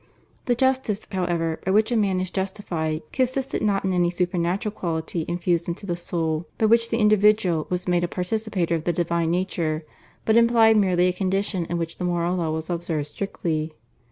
The justice, however, by which a man is justified, consisted not in any supernatural quality infused into the soul, by which the individual was made a participator of the divine nature, but implied merely a condition in which the moral law was observed strictly.